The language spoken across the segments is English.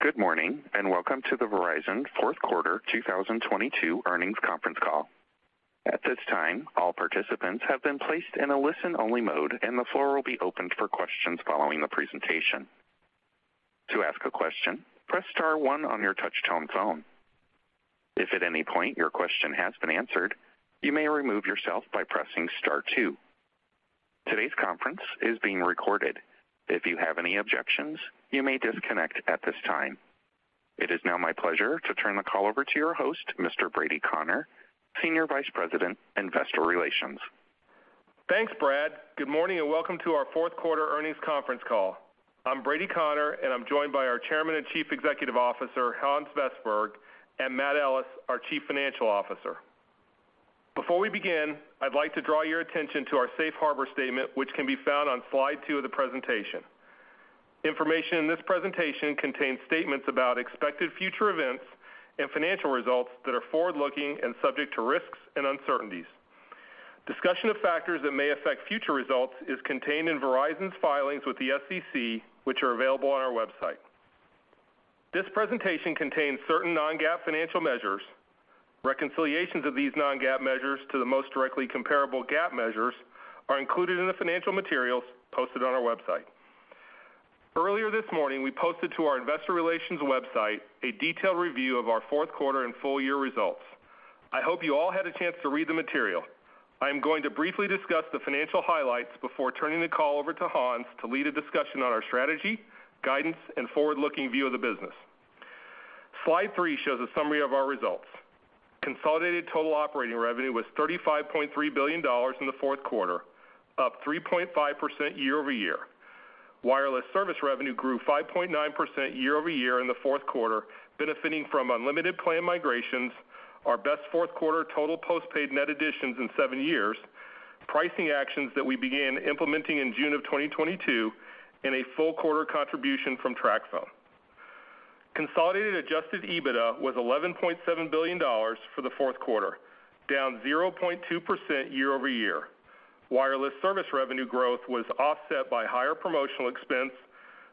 Good morning. Welcome to the Verizon Q4 2022 earnings conference call. At this time, all participants have been placed in a listen-only mode, and the floor will be opened for questions following the presentation. To ask a question, press * 1 on your touchtone phone. If at any point your question has been answered, you may remove yourself by pressing * 2. Today's conference is being recorded. If you have any objections, you may disconnect at this time. It is now my pleasure to turn the call over to your host, Mr. Brady Connor, Senior Vice President, Investor Relations. Thanks, Brad. Good morning, and welcome to our Q4 earnings conference call. I'm Brady Connor, and I'm joined by our Chairman and Chief Executive Officer, Hans Vestberg, and Matt Ellis, our Chief Financial Officer. Before we begin, I'd like to draw your attention to our safe harbor statement, which can be found on slide 2 of the presentation. Information in this presentation contains statements about expected future events and financial results that are forward-looking and subject to risks and uncertainties. Discussion of factors that may affect future results is contained in Verizon's filings with the SEC, which are available on our website. This presentation contains certain non-GAAP financial measures. Reconciliations of these non-GAAP measures to the most directly comparable GAAP measures are included in the financial materials posted on our website. Earlier this morning, we posted to our investor relations website a detailed review of our Q4 and full year results. I hope you all had a chance to read the material. I am going to briefly discuss the financial highlights before turning the call over to Hans to lead a discussion on our strategy, guidance, and forward-looking view of the business. Slide 3 shows a summary of our results. Consolidated total operating revenue was $35.3 billion in the Q4, up 3.5% year-over-year. Wireless service revenue grew 5.9% year-over-year in the Q4, benefiting from unlimited plan migrations, our best Q4 total postpaid net additions in 7 years, pricing actions that we began implementing in June of 2022, and a full quarter contribution from TracFone. Consolidated adjusted EBITDA was $11.7 billion for the Q4, down 0.2% year-over-year. Wireless service revenue growth was offset by higher promotional expense,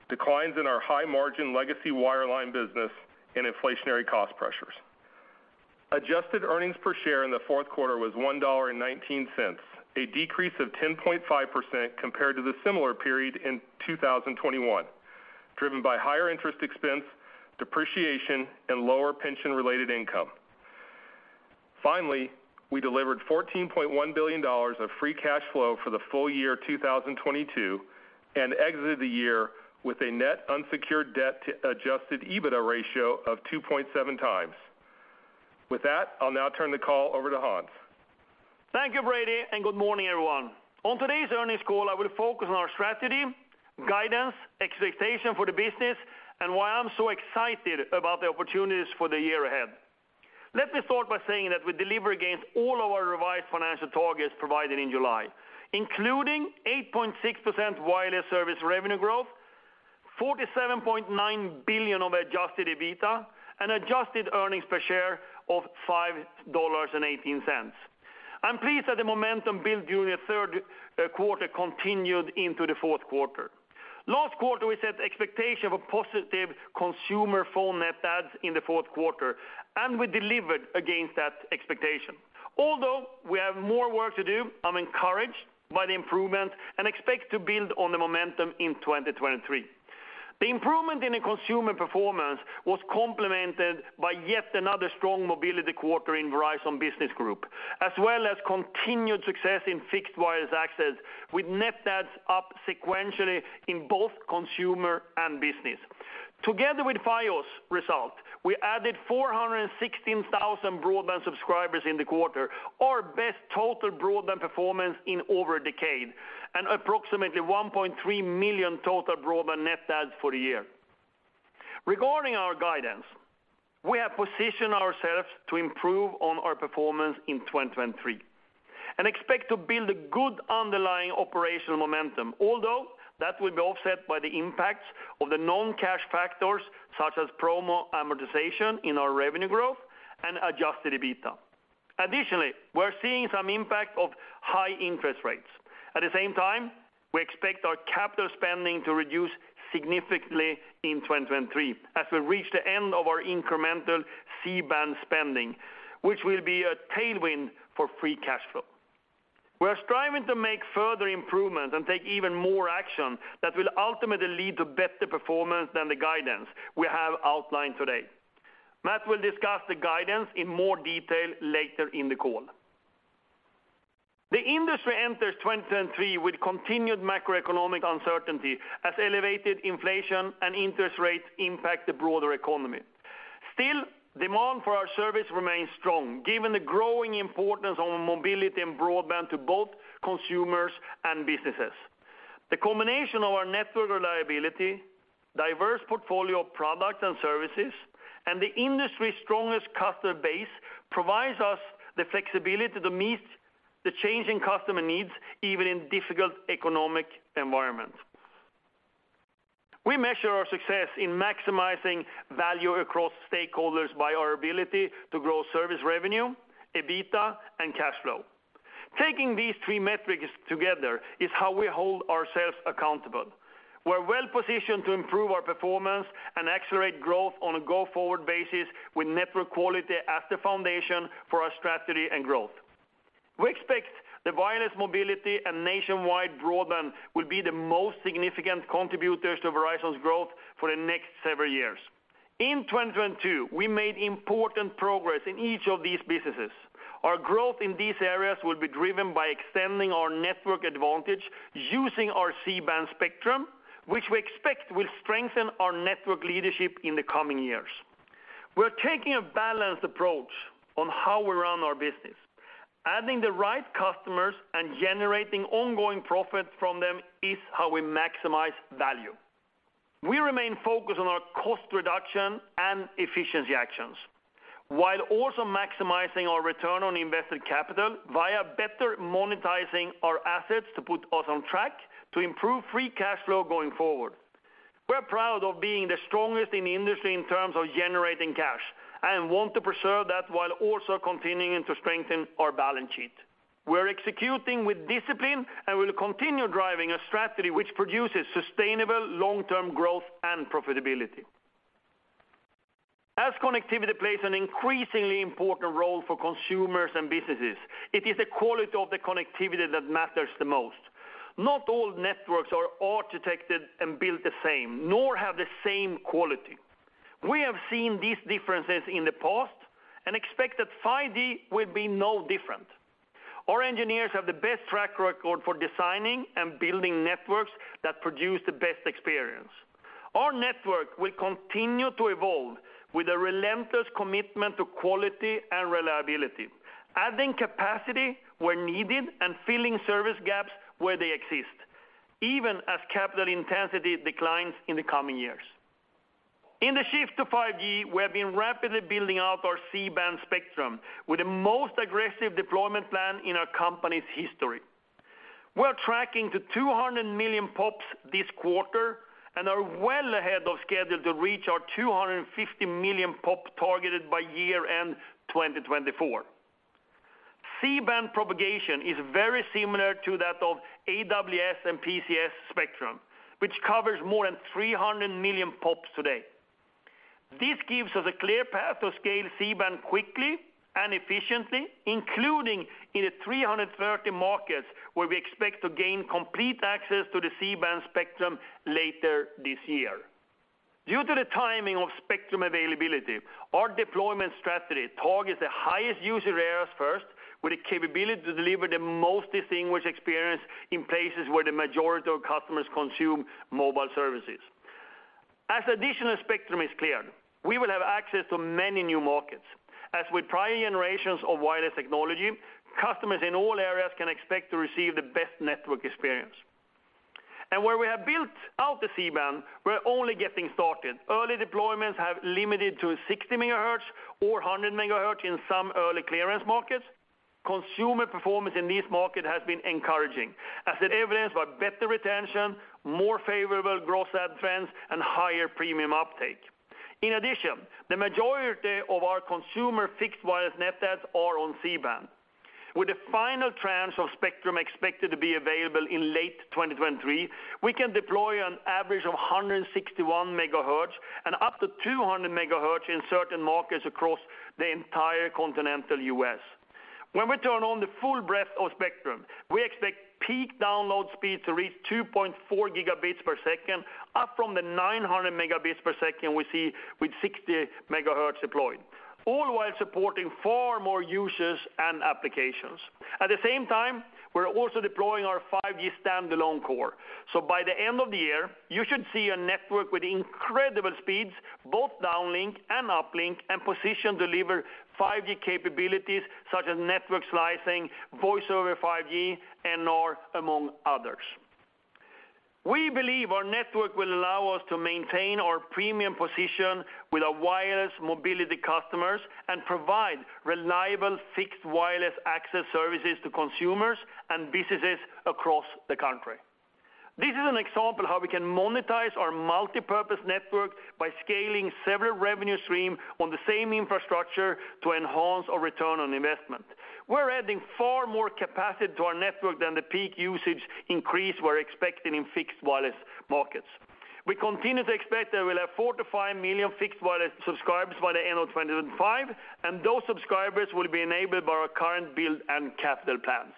declines in our high-margin legacy wireline business, and inflationary cost pressures. adjusted earnings per share in the Q4 was $1.19, a decrease of 10.5% compared to the similar period in 2021, driven by higher interest expense, depreciation, and lower pension-related income. Finally, we delivered $14.1 billion of free cash flow for the full year 2022 and exited the year with a net unsecured debt to adjusted EBITDA ratio of 2.7 times. With that, I'll now turn the call over to Hans. Thank you, Brady, and good morning, everyone. On today's earnings call, I will focus on our strategy, guidance, expectation for the business, and why I'm so excited about the opportunities for the year ahead. Let me start by saying that we delivered against all of our revised financial targets provided in July, including 8.6% wireless service revenue growth, $47.9 billion of adjusted EBITDA, and adjusted earnings per share of $5.18. I'm pleased that the momentum built during the Q3 continued into the Q4. Last quarter, we set expectation of a positive consumer phone net adds in the Q4, and we delivered against that expectation. Although we have more work to do, I'm encouraged by the improvement and expect to build on the momentum in 2023. The improvement in the consumer performance was complemented by yet another strong mobility quarter in Verizon Business Group, as well as continued success in Fixed Wireless Access, with net adds up sequentially in both consumer and business. Together with Fios results, we added 416,000 broadband subscribers in the quarter, our best total broadband performance in over a decade, and approximately 1.3 million total broadband net adds for the year. Regarding our guidance, we have positioned ourselves to improve on our performance in 2023 and expect to build a good underlying operational momentum, although that will be offset by the impacts of the non-cash factors such as promo amortization in our revenue growth and adjusted EBITDA. Additionally, we're seeing some impact of high interest rates. At the same time, we expect our capital spending to reduce significantly in 2023 as we reach the end of our incremental C-band spending, which will be a tailwind for free cash flow. We are striving to make further improvements and take even more action that will ultimately lead to better performance than the guidance we have outlined today. Matt will discuss the guidance in more detail later in the call. The industry enters 2023 with continued macroeconomic uncertainty as elevated inflation and interest rates impact the broader economy. Still, demand for our service remains strong given the growing importance of mobility and broadband to both consumers and businesses. The combination of our network reliability, diverse portfolio of products and services, and the industry's strongest customer base provides us the flexibility to meet the changing customer needs, even in difficult economic environments. We measure our success in maximizing value across stakeholders by our ability to grow service revenue, EBITDA, and cash flow. Taking these 3 metrics together is how we hold ourselves accountable. We're well-positioned to improve our performance and accelerate growth on a go-forward basis with network quality as the foundation for our strategy and growth. We expect the wireless mobility and nationwide broadband will be the most significant contributors to Verizon's growth for the next several years. In 2022, we made important progress in each of these businesses. Our growth in these areas will be driven by extending our network advantage using our C-band spectrum, which we expect will strengthen our network leadership in the coming years. We're taking a balanced approach on how we run our business. Adding the right customers and generating ongoing profit from them is how we maximize value. We remain focused on our cost reduction and efficiency actions, while also maximizing our return on invested capital via better monetizing our assets to put us on track to improve free cash flow going forward. We're proud of being the strongest in the industry in terms of generating cash and want to preserve that while also continuing to strengthen our balance sheet. We're executing with discipline, and we'll continue driving a strategy which produces sustainable long-term growth and profitability. As connectivity plays an increasingly important role for consumers and businesses, it is the quality of the connectivity that matters the most. Not all networks are architected and built the same, nor have the same quality. We have seen these differences in the past and expect that 5G will be no different. Our engineers have the best track record for designing and building networks that produce the best experience. Our network will continue to evolve with a relentless commitment to quality and reliability, adding capacity where needed and filling service gaps where they exist, even as capital intensity declines in the coming years. In the shift to 5G, we have been rapidly building out our C-band spectrum with the most aggressive deployment plan in our company's history. We're tracking to 200 million POPs this quarter and are well ahead of schedule to reach our 250 million POP targeted by year-end 2024. C-band propagation is very similar to that of AWS and PCS spectrum, which covers more than 300 million POPs today. This gives us a clear path to scale C-band quickly and efficiently, including in the 330 markets where we expect to gain complete access to the C-band spectrum later this year. Due to the timing of spectrum availability, our deployment strategy targets the highest user areas first, with the capability to deliver the most distinguished experience in places where the majority of customers consume mobile services. As additional spectrum is cleared, we will have access to many new markets. As with prior generations of wireless technology, customers in all areas can expect to receive the best network experience. Where we have built out the C-band, we're only getting started. Early deployments have limited to 60 megahertz or 100 megahertz in some early clearance markets. Consumer performance in this market has been encouraging, as evidenced by better retention, more favorable gross add trends, and higher premium uptake. In addition, the majority of our consumer Fixed-Wireless net adds are on C-band. With the final tranche of spectrum expected to be available in late 2023, we can deploy an average of 161 megahertz and up to 200 megahertz in certain markets across the entire continental U.S. When we turn on the full breadth of spectrum, we expect peak download speeds to reach 2.4 gigabits per second, up from the 900 megabits per second we see with 60 megahertz deployed, all while supporting far more users and applications. At the same time, we're also deploying our 5G Standalone Core. By the end of the year, you should see a network with incredible speeds, both downlink and uplink, and position to deliver 5G capabilities such as network slicing, Voice over 5G, NR, among others. We believe our network will allow us to maintain our premium position with our wireless mobility customers and provide reliable Fixed Wireless Access services to consumers and businesses across the country. This is an example how we can monetize our multipurpose network by scaling several revenue stream on the same infrastructure to enhance our return on investment. We're adding far more capacity to our network than the peak usage increase we're expecting in fixed wireless markets. We continue to expect that we'll have 4 million to 5 million fixed wireless subscribers by the end of 2025, and those subscribers will be enabled by our current build and capital plans.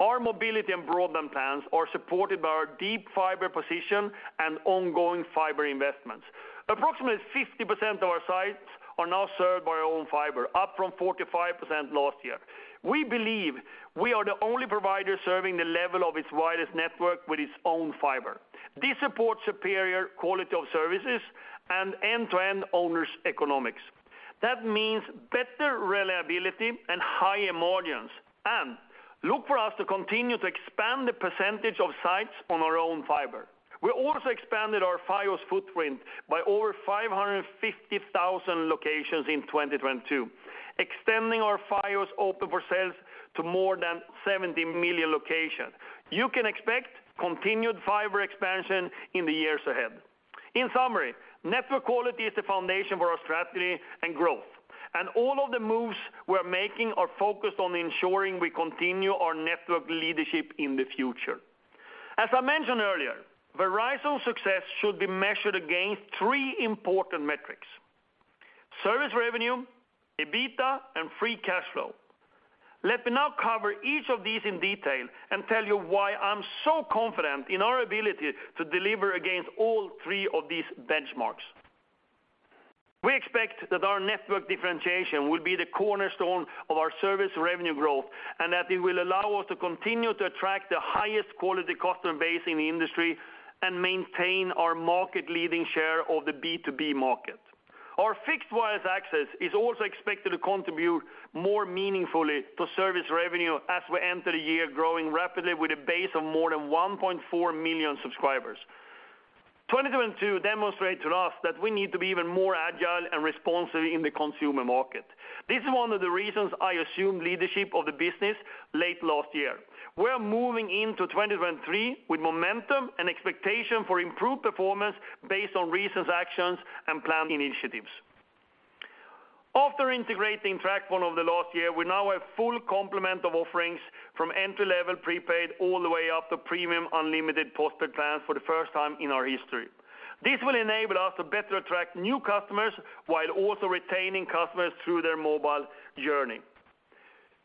Our mobility and broadband plans are supported by our deep fiber position and ongoing fiber investments. Approximately 50% of our sites are now served by our own fiber, up from 45% last year. We believe we are the only provider serving the level of its widest network with its own fiber. This supports superior quality of services and end-to-end owners economics. That means better reliability and higher margins, look for us to continue to expand the percentage of sites on our own fiber. We also expanded our fiber's footprint by over 550,000 locations in 2022, extending our fiber's open for sales to more than 70 million locations. You can expect continued fiber expansion in the years ahead. In summary, network quality is the foundation for our strategy and growth, all of the moves we're making are focused on ensuring we continue our network leadership in the future. As I mentioned earlier, Verizon success should be measured against 3 important metrics: service revenue, EBITDA and free cash flow. Let me now cover each of these in detail and tell you why I'm so confident in our ability to deliver against all 3 of these benchmarks. We expect that our network differentiation will be the cornerstone of our service revenue growth, and that it will allow us to continue to attract the highest quality customer base in the industry and maintain our market-leading share of the B2B market. Our Fixed Wireless Access is also expected to contribute more meaningfully to service revenue as we enter the year growing rapidly with a base of more than 1.4 million subscribers. 2022 demonstrates to us that we need to be even more agile and responsive in the consumer market. This is 1 of the reasons I assumed leadership of the business late last year. We're moving into 2023 with momentum and expectation for improved performance based on recent actions and planned initiatives. After integrating TracFone over the last year, we now have full complement of offerings from entry-level prepaid all the way up to premium unlimited postpaid plans for the first time in our history. This will enable us to better attract new customers while also retaining customers through their mobile journey.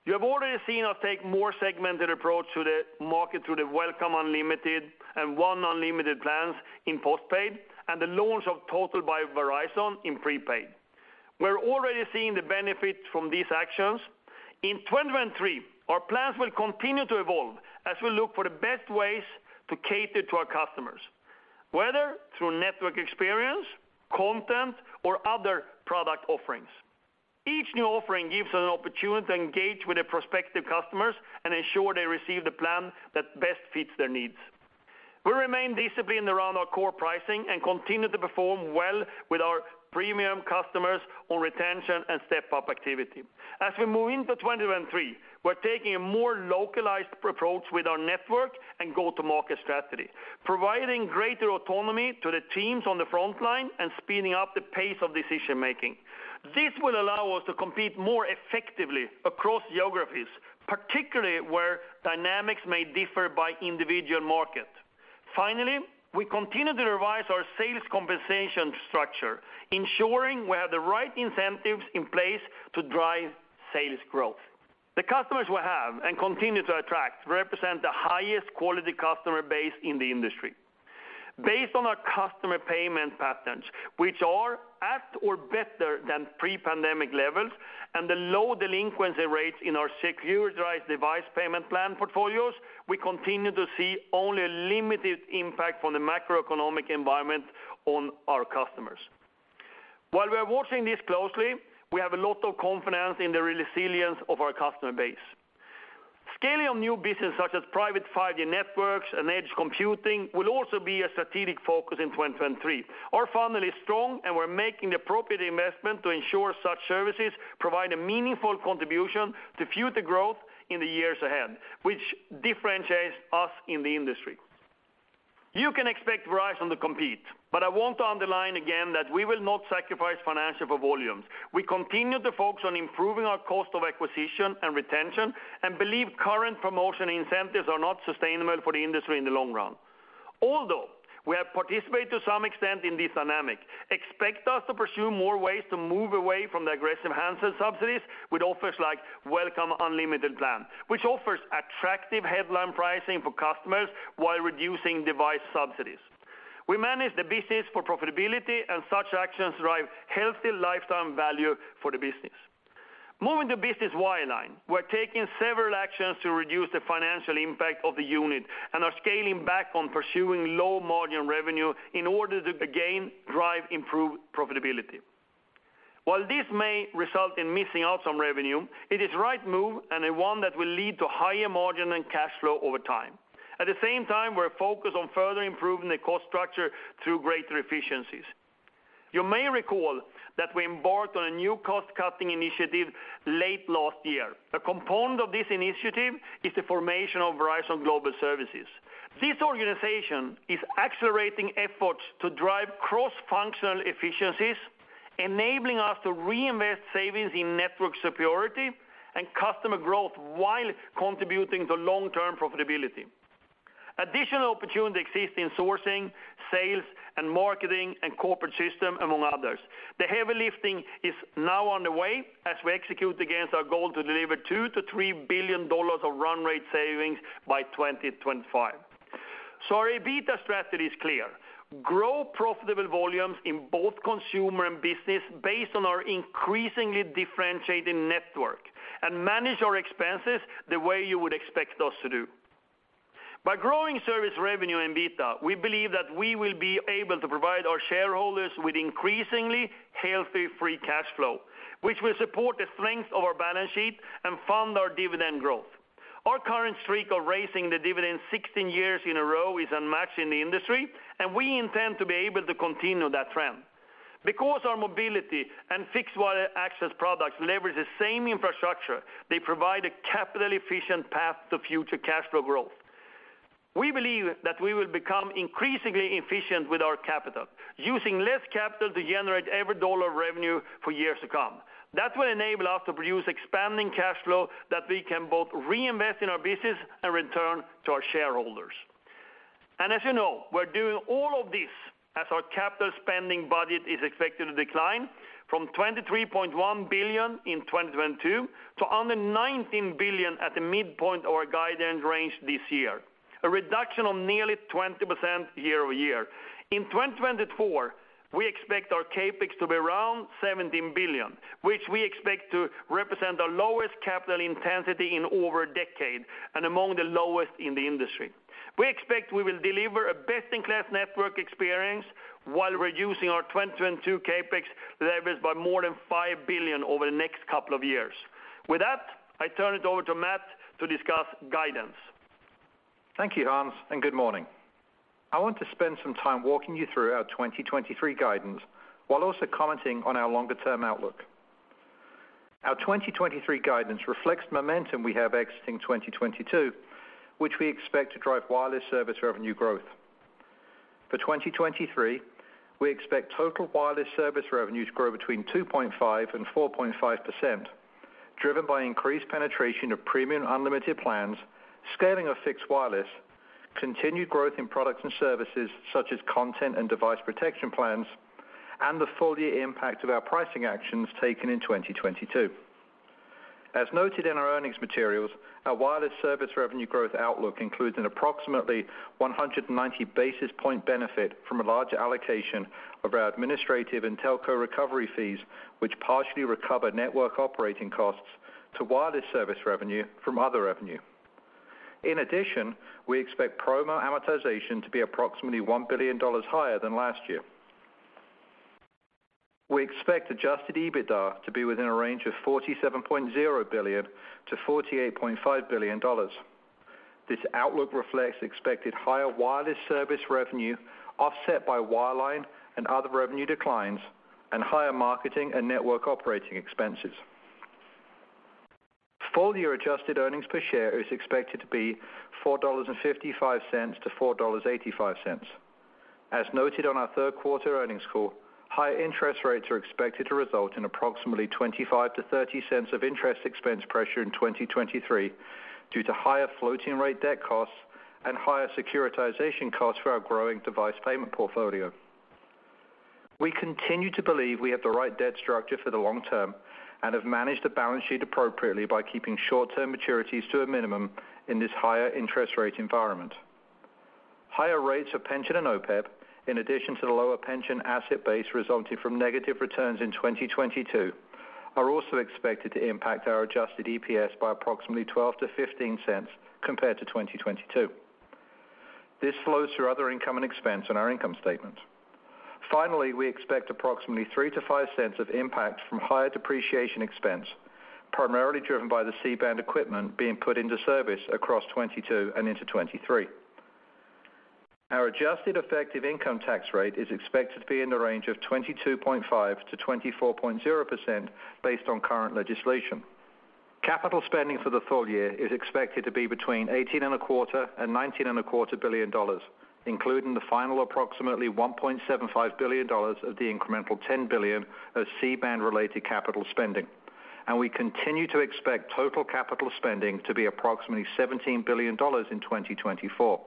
You have already seen us take more segmented approach to the market through the Welcome Unlimited and One Unlimited plans in postpaid and the launch of Total by Verizon in prepaid. We're already seeing the benefit from these actions. In 2023, our plans will continue to evolve as we look for the best ways to cater to our customers, whether through network experience, content, or other product offerings. Each new offering gives us an opportunity to engage with the prospective customers and ensure they receive the plan that best fits their needs. We remain disciplined around our core pricing and continue to perform well with our premium customers on retention and step-up activity. As we move into 2023, we're taking a more localized approach with our network and go-to-market strategy, providing greater autonomy to the teams on the front line and speeding up the pace of decision-making. This will allow us to compete more effectively across geographies, particularly where dynamics may differ by individual market. Finally, we continue to revise our sales compensation structure, ensuring we have the right incentives in place to drive sales growth. The customers we have and continue to attract represent the highest quality customer base in the industry. Based on our customer payment patterns, which are at or better than pre-pandemic levels, and the low delinquency rates in our securitized device payment plan portfolios, we continue to see only a limited impact from the macroeconomic environment on our customers. While we are watching this closely, we have a lot of confidence in the resilience of our customer base. Scaling of new business such as Private 5G Networks and edge computing will also be a strategic focus in 2023. Our funnel is strong, and we're making the appropriate investment to ensure such services provide a meaningful contribution to future growth in the years ahead, which differentiates us in the industry. You can expect Verizon to compete, but I want to underline again that we will not sacrifice financial for volumes. We continue to focus on improving our cost of acquisition and retention and believe current promotion incentives are not sustainable for the industry in the long run. Although we have participated to some extent in this dynamic, expect us to pursue more ways to move away from the aggressive handset subsidies with offers like Welcome Unlimited plan, which offers attractive headline pricing for customers while reducing device subsidies. We manage the business for profitability and such actions drive healthy lifetime value for the business. Moving to business wireline, we're taking several actions to reduce the financial impact of the unit and are scaling back on pursuing low-margin revenue in order to again drive improved profitability. While this may result in missing out some revenue, it is right move and 1 that will lead to higher margin and cash flow over time. At the same time, we're focused on further improving the cost structure through greater efficiencies. You may recall that we embarked on a new cost-cutting initiative late last year. A component of this initiative is the formation of Verizon Global Services. This organization is accelerating efforts to drive cross-functional efficiencies, enabling us to reinvest savings in network superiority and customer growth while contributing to long-term profitability. Additional opportunity exists in sourcing, sales and marketing, and corporate system, among others. The heavy lifting is now on the way as we execute against our goal to deliver $2 billion to $3 billion of run rate savings by 2025. Our EBITDA strategy is clear. Grow profitable volumes in both consumer and business based on our increasingly differentiating network and manage our expenses the way you would expect us to do. By growing service revenue in EBITDA, we believe that we will be able to provide our shareholders with increasingly healthy free cash flow, which will support the strength of our balance sheet and fund our dividend growth. Our current streak of raising the dividend 16 years in a row is unmatched in the industry, and we intend to be able to continue that trend. Because our mobility and Fixed Wire Access products leverage the same infrastructure, they provide a capital efficient path to future cash flow growth. We believe that we will become increasingly efficient with our capital, using less capital to generate every dollar of revenue for years to come. That will enable us to produce expanding cash flow that we can both reinvest in our business and return to our shareholders. As you know, we're doing all of this as our capital spending budget is expected to decline from $23.1 billion in 2022 to under $19 billion at the midpoint of our guidance range this year. A reduction of nearly 20% year-over-year. In 2024, we expect our CapEx to be around $17 billion, which we expect to represent our lowest capital intensity in over a decade and among the lowest in the industry. We expect we will deliver a best-in-class network experience while reducing our 2022 CapEx leverage by more than $5 billion over the next couple of years. With that, I turn it over to Matt to discuss guidance. Thank you, Hans. Good morning. I want to spend some time walking you through our 2023 guidance, while also commenting on our longer-term outlook. Our 2023 guidance reflects momentum we have exiting 2022, which we expect to drive wireless service revenue growth. For 2023, we expect total wireless service revenue to grow between 2.5% and 4.5%, driven by increased penetration of premium unlimited plans, scaling of fixed wireless, continued growth in products and services such as content and device protection plans, and the full year impact of our pricing actions taken in 2022. As noted in our earnings materials, our wireless service revenue growth outlook includes an approximately 190 basis point benefit from a large allocation of our administrative and telco recovery fees, which partially recover network operating costs to wireless service revenue from other revenue. We expect promo amortization to be approximately $1 billion higher than last year. We expect adjusted EBITDA to be within a range of $47.0 billion to $48.5 billion. This outlook reflects expected higher wireless service revenue offset by wireline and other revenue declines and higher marketing and network operating expenses. Full year adjusted earnings per share is expected to be $4.55 to $4.85. Noted on our Q3 earnings call, higher interest rates are expected to result in approximately $0.25 to $0.30 of interest expense pressure in 2023 due to higher floating rate debt costs and higher securitization costs for our growing device payment portfolio. We continue to believe we have the right debt structure for the long term and have managed the balance sheet appropriately by keeping short-term maturities to a minimum in this higher interest rate environment. Higher rates of pension and OPEB, in addition to the lower pension asset base resulting from negative returns in 2022, are also expected to impact our adjusted EPS by approximately $0.12 to $0.15 compared to 2022. This flows through other income and expense on our income statement. Finally, we expect approximately $0.03 to $0.05 of impact from higher depreciation expense, primarily driven by the C-band equipment being put into service across 2022 and into 2023. Our adjusted effective income tax rate is expected to be in the range of 22.5% to 24.0% based on current legislation. Capital spending for the full year is expected to be between$18.25 billion and $19.25 billion, including the final approximately $1.75 billion of the incremental $10 billion of C-band related capital spending. We continue to expect total capital spending to be approximately $17 billion in 2024.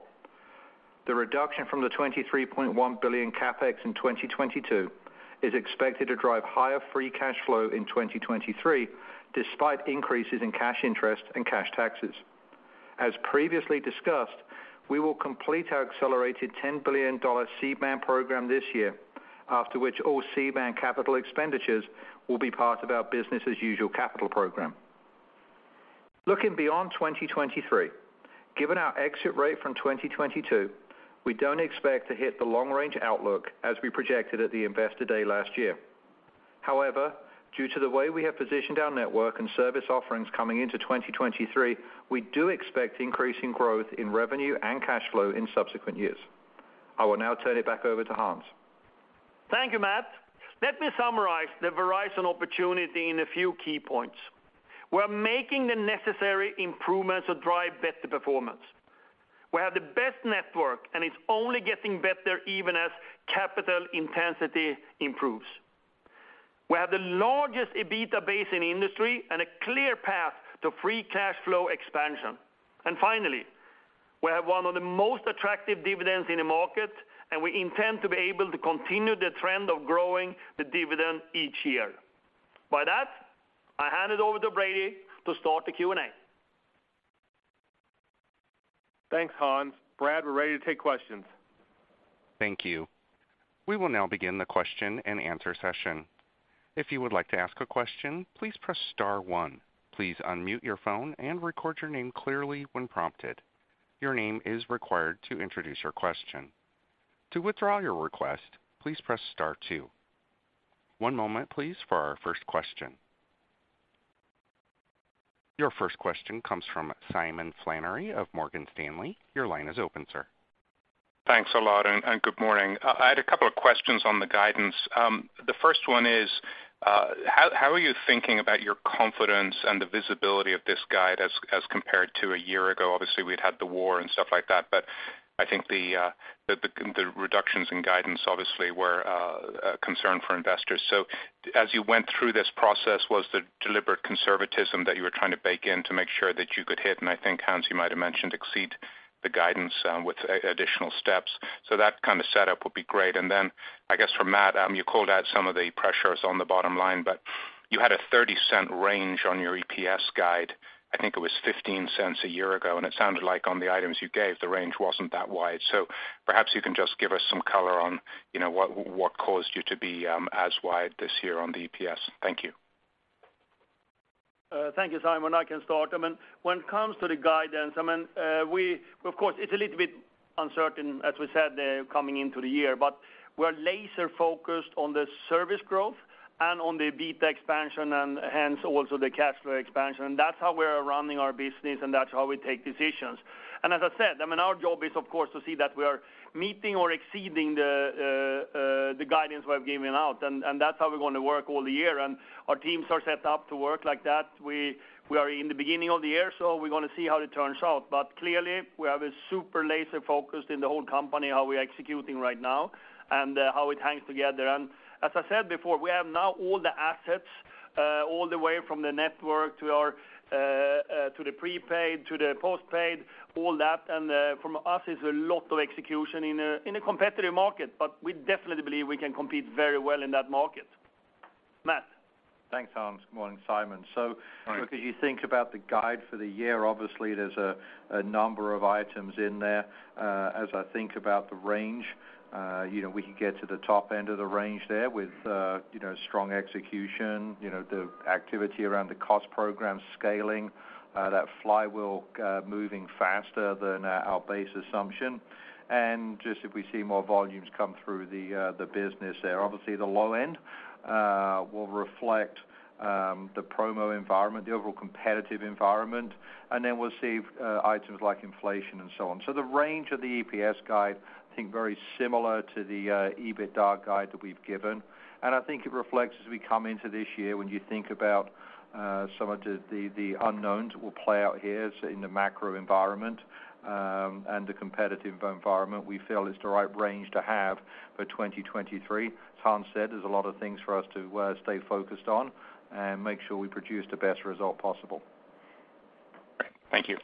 The reduction from the $23.1 billion CapEx in 2022 is expected to drive higher free cash flow in 2023, despite increases in cash interest and cash taxes. As previously discussed, we will complete our accelerated $10 billion C-band program this year, after which all C-band capital expenditures will be part of our business as usual capital program. Looking beyond 2023, given our exit rate from 2022, we don't expect to hit the long-range outlook as we projected at the Investor Day last year. Due to the way we have positioned our network and service offerings coming into 2023, we do expect increasing growth in revenue and cash flow in subsequent years. I will now turn it back over to Hans. Thank you, Matt. Let me summarize the Verizon opportunity in a few key points. We're making the necessary improvements to drive better performance. We have the best network, and it's only getting better even as capital intensity improves. We have the largest EBITDA base in the industry and a clear path to free cash flow expansion. Finally, we have 1 of the most attractive dividends in the market, and we intend to be able to continue the trend of growing the dividend each year. By that, I hand it over to Brady to start the Q&A. Thanks, Hans. Brad, we're ready to take questions. Thank you. We will now begin the question-and-answer session. If you would like to ask a question, please press * 1. Please unmute your phone and record your name clearly when prompted. Your name is required to introduce your question. To withdraw your request, please press * 2. One moment, please, for our 1st question. Your 1st question comes from Simon Flannery of Morgan Stanley. Your line is open, sir. Thanks a lot and good morning. I had a couple of questions on the guidance. The first one is, how are you thinking about your confidence and the visibility of this guide as compared to a year ago? Obviously, we'd had the war and stuff like that, but I think the reductions in guidance obviously were a concern for investors. As you went through this process, was there deliberate conservatism that you were trying to bake in to make sure that you could hit, and I think, Hans, you might have mentioned, exceed the guidance, with additional steps? That kind of setup would be great. Then I guess for Matt, you called out some of the pressures on the bottom line, but you had a $0.30 range on your EPS guide. I think it was $0.15 a year ago. It sounded like on the items you gave, the range wasn't that wide. Perhaps you can just give us some color on, you know, what caused you to be as wide this year on the EPS. Thank you. Thank you, Simon. I can start. I mean, when it comes to the guidance, I mean, we of course it's a little bit uncertain, as we said, coming into the year, but we're laser focused on the service growth and on the EBITDA expansion, and hence also the cash flow expansion. That's how we're running our business, and that's how we take decisions. As I said, I mean, our job is of course to see that we are meeting or exceeding the guidance we have given out, and that's how we're gonna work all the year. Our teams are set up to work like that. We are in the beginning of the year, so we're gonna see how it turns out. Clearly, we have a super laser focus in the whole company, how we are executing right now and how it hangs together. As I said before, we have now all the assets, all the way from the network to our, to the prepaid, to the postpaid, all that. From us, it's a lot of execution in a competitive market, but we definitely believe we can compete very well in that market. Matt? Thanks, Hans. Good morning, Simon. Thanks. If you think about the guide for the year, obviously there's a number of items in there. As I think about the range, you know, we can get to the top end of the range there with, you know, strong execution, you know, the activity around the cost program scaling, that flywheel moving faster than our base assumption. Just if we see more volumes come through the business there. Obviously, the low end will reflect the promo environment, the overall competitive environment, and then we'll see items like inflation and so on. The range of the EPS guide, I think very similar to the EBITDA guide that we've given. I think it reflects as we come into this year, when you think about some of the unknowns that will play out here in the macro environment, and the competitive environment, we feel it's the right range to have for 2023. As Hans said, there's a lot of things for us to stay focused on and make sure we produce the best result possible. Thank you.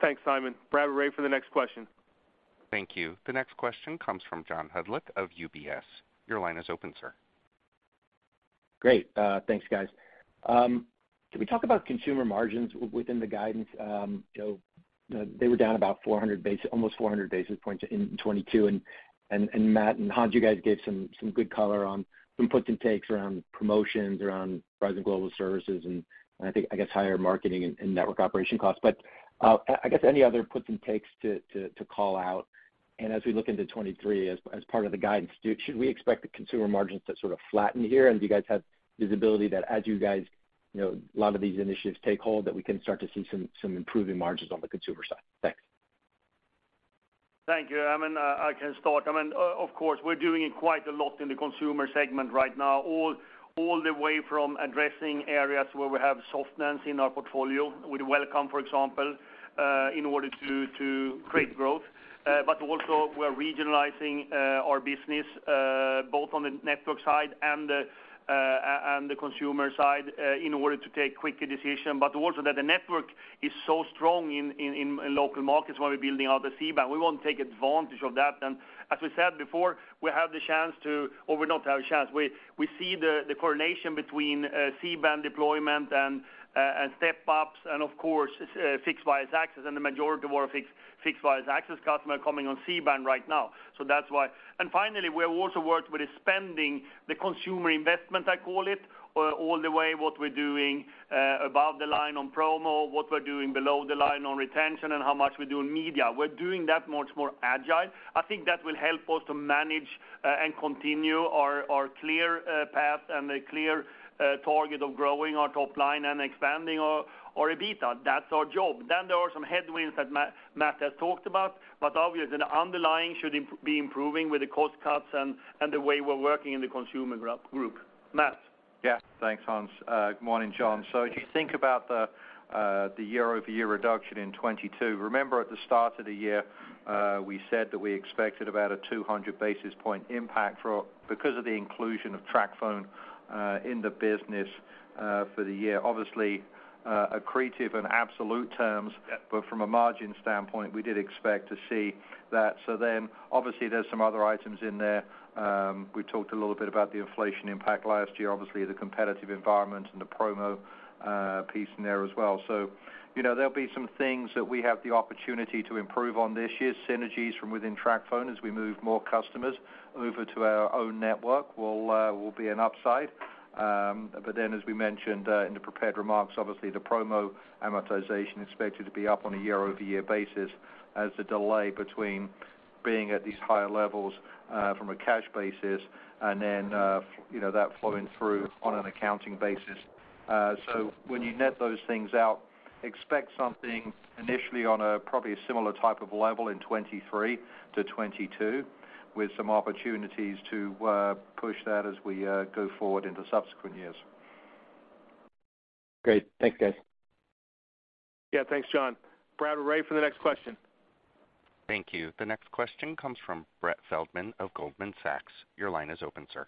Thanks, Simon. Operator, for the next question. Thank you. The next question comes from John Hodulik of UBS. Your line is open, sir. Great. Thanks, guys. Can we talk about consumer margins within the guidance? you know, they were down about 400 basis, almost 400 basis points in 2022. Matt and Hans, you guys gave some good color on some puts and takes around promotions, around Verizon Global Services, and I think, I guess, higher marketing and network operation costs. I guess any other puts and takes to call out? As we look into 2023 as part of the guidance, should we expect the consumer margins to sort of flatten here? Do you guys have visibility that as you guys, you know, a lot of these initiatives take hold, that we can start to see some improving margins on the consumer side? Thanks. Thank you. I mean, I can start. I mean, of course, we're doing quite a lot in the consumer segment right now, all the way from addressing areas where we have softness in our portfolio with Welcome, for example, in order to create growth. Also we're regionalizing our business both on the network side and the consumer side in order to take quicker decision. Also that the network is so strong in local markets where we're building out the C-band, we want to take advantage of that. As we said before, we have the chance to, or we don't have a chance. We see the correlation between C-band deployment and step-ups and of course, fixed wireless access, and the majority of our fixed wireless access customer are coming on C-band right now. That's why. Finally, we have also worked with the spending, the consumer investment I call it, all the way what we're doing above the line on promo, what we're doing below the line on retention, and how much we do in media. We're doing that much more agile. I think that will help us to manage and continue our clear path and a clear target of growing our top line and expanding our EBITDA. That's our job. There are some headwinds that Matt has talked about, but obviously the underlying should be improving with the cost cuts and the way we're working in the consumer group. Matt? Yeah. Thanks, Hans. Good morning, John. If you think about the year-over-year reduction in 22, remember at the start of the year, we said that we expected about a 200 basis point impact because of the inclusion of TracFone in the business for the year. Obviously, accretive in absolute terms, but from a margin standpoint, we did expect to see that. Obviously there's some other items in there. We talked a little bit about the inflation impact last year, obviously the competitive environment and the promo piece in there as well. You know, there'll be some things that we have the opportunity to improve on this year. Synergies from within TracFone as we move more customers over to our own network will be an upside. As we mentioned, in the prepared remarks, obviously the promo amortization expected to be up on a year-over-year basis as the delay between being at these higher levels, from a cash basis and then, you know, that flowing through on an accounting basis. When you net those things out, expect something initially on a probably similar type of level in 2023 to 2022 with some opportunities to push that as we go forward into subsequent years. Great. Thanks guys. Yeah, thanks John. Operator, for the next question. Thank you. The next question comes from Brett Feldman of Goldman Sachs. Your line is open, sir.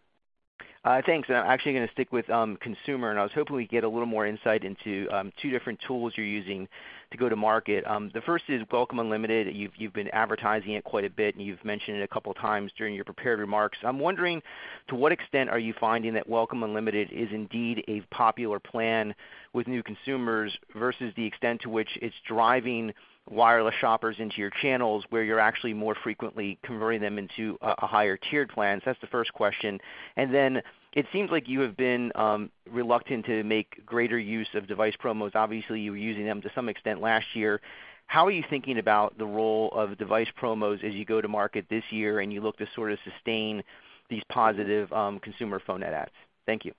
Thanks. I'm actually gonna stick with consumer. I was hoping we could get a little more insight into 2 different tools you're using to go to market. The first is Welcome Unlimited. You've been advertising it quite a bit, and you've mentioned it a couple of times during your prepared remarks. I'm wondering, to what extent are you finding that Welcome Unlimited is indeed a popular plan with new consumers versus the extent to which it's driving wireless shoppers into your channels where you're actually more frequently converting them into a higher tiered plan? That's the 1st question. Then it seems like you have been reluctant to make greater use of device promos. Obviously, you were using them to some extent last year. How are you thinking about the role of device promos as you go to market this year, and you look to sort of sustain these positive consumer phone net adds? Thank you.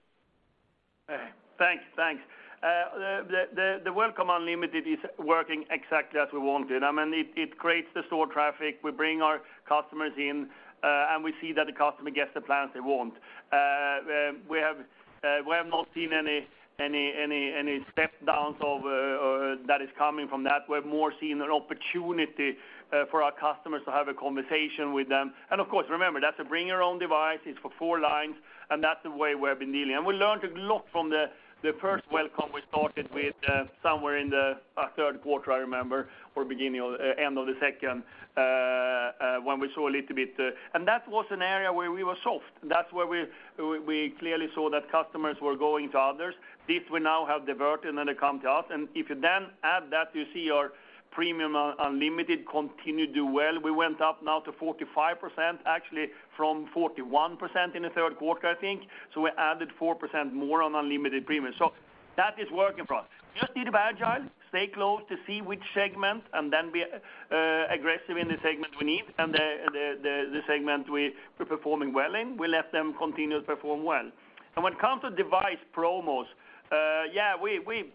Thanks, thanks. The Welcome Unlimited is working exactly as we wanted. I mean, it creates the store traffic. We bring our customers in. We see that the customer gets the plans they want. We have not seen any step-downs of that is coming from that. We're more seeing an opportunity for our customers to have a conversation with them. Of course, remember, that's a Bring Your Own Device, it's for 4 lines. That's the way we have been dealing. We learned a lot from the first welcome we started with somewhere in the Q3, I remember, or end of the 2nd, when we saw a little bit. That was an area where we were soft. That's where we clearly saw that customers were going to others. This we now have diverted, then they come to us. If you then add that, you see our premium unlimited continue to do well. We went up now to 45% actually from 41% in the Q3, I think. We added 4% more on Unlimited Plus. That is working for us. Just need to be agile, stay close to see which segment, then be aggressive in the segment we need. The segment we're performing well in, we let them continue to perform well. When it comes to device promos, yeah, we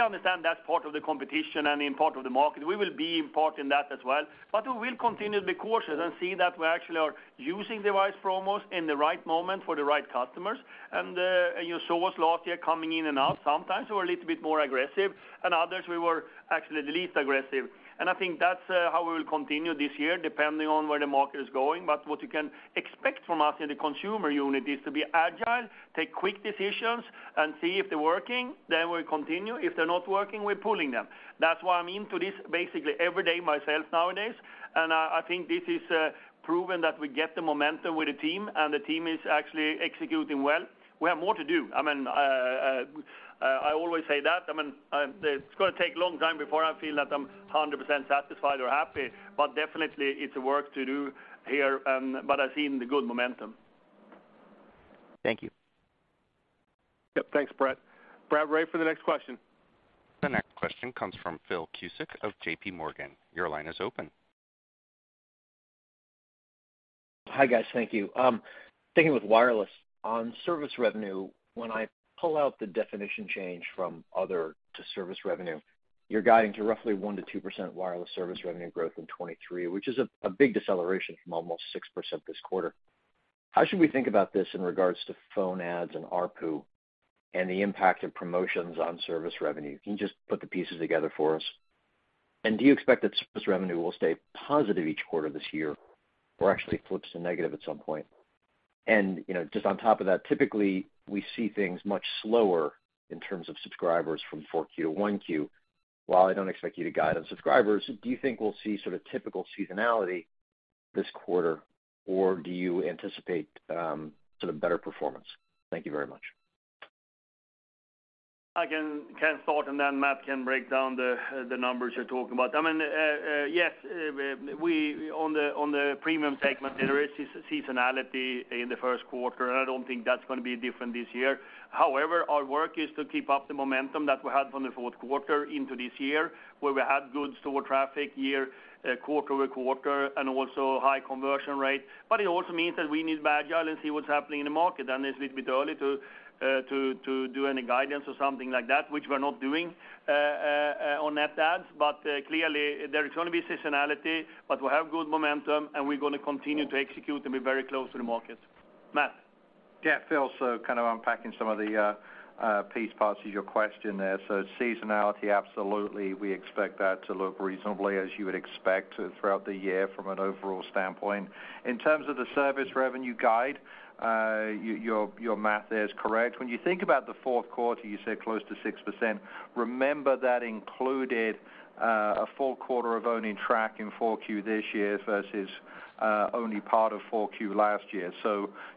understand that's part of the competition and in part of the market. We will be a part in that as well. We will continue to be cautious and see that we actually are using device promos in the right moment for the right customers. You saw us last year coming in and out. Sometimes we're a little bit more aggressive, and others we were actually the least aggressive. I think that's how we will continue this year, depending on where the market is going. What you can expect from us in the consumer unit is to be agile, take quick decisions, and see if they're working, then we continue. If they're not working, we're pulling them. That's why I'm into this basically every day myself nowadays, I think this is proven that we get the momentum with the team, and the team is actually executing well. We have more to do. I always say that. I mean, it's gonna take a long time before I feel that I'm 100% satisfied or happy. Definitely it's work to do here, but I've seen the good momentum. Thank you. Yep. Thanks, Brett. Operator, for the next question. The next question comes from Philip Cusick of JPMorgan. Your line is open. Hi, guys. Thank you. Thinking with wireless, on service revenue, when I pull out the definition change from other to service revenue, you're guiding to roughly 1% to 2% wireless service revenue growth in 2023, which is a big deceleration from almost 6% this quarter. How should we think about this in regards to phone ads and ARPU and the impact of promotions on service revenue? Can you just put the pieces together for us? Do you expect that service revenue will stay positive each quarter this year or actually flips to negative at some point? You know, just on top of that, typically we see things much slower in terms of subscribers from 4Q to 1Q. While I don't expect you to guide on subscribers, do you think we'll see sort of typical seasonality this quarter, or do you anticipate sort of better performance? Thank you very much. I can start and then Matt can break down the numbers you're talking about. I mean, yes, on the premium segment, there is seasonality in the Q1, and I don't think that's gonna be different this year. However, our work is to keep up the momentum that we had from the Q4 into this year, where we had good store traffic year, quarter-over-quarter and also high conversion rate. It also means that we need to be agile and see what's happening in the market. It's a little bit early to do any guidance or something like that, which we're not doing on net adds. Clearly there is gonna be seasonality, but we have good momentum and we're gonna continue to execute and be very close to the market. Matt. Yeah. Phil, kind of unpacking some of the piece parts to your question there. Seasonality, absolutely. We expect that to look reasonably as you would expect throughout the year from an overall standpoint. In terms of the service revenue guide, your math there is correct. When you think about the Q4, you said close to 6%. Remember that included a full quarter of owning Trac in 4Q this year versus only part of 4Q last year.